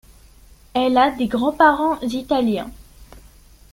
Elle a des grands-parents italiens.